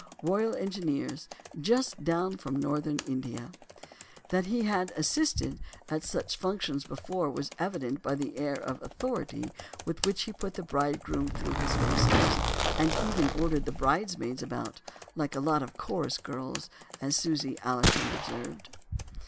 Royal Engineers, just down from Northern India. That he had "assisted" at such functions before was evident by the air of authority with which he put the bridegroom through his facings, and even ordered the bridesmaids about—"like a lot of chorus girls"—as Susie Allerton observed.